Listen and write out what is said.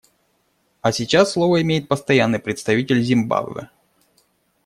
А сейчас слово имеет Постоянный представитель Зимбабве.